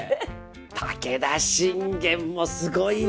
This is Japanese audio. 武田信玄もすごいね！